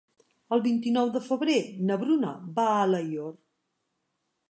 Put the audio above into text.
El vint-i-nou de febrer na Bruna va a Alaior.